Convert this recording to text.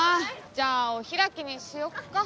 じゃあお開きにしよっか。